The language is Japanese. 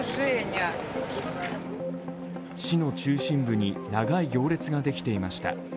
市の中心部に長い行列ができていました。